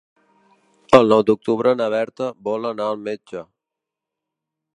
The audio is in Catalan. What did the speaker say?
El nou d'octubre na Berta vol anar al metge.